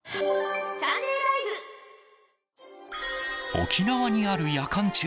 沖縄にある夜間中